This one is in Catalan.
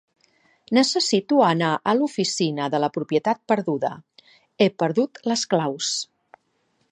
Necessito anar a l'oficina de la propietat perduda. He perdut les claus.